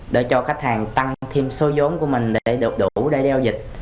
để cho khách hàng tăng thêm số giốn của mình để được đủ để giao dịch